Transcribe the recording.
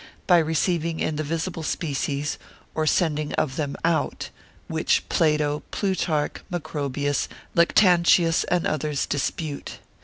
by receiving in the visible species, or sending of them out, which Plato, Plutarch, Macrobius, Lactantius and others dispute.